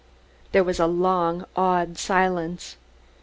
There was a long, awed silence.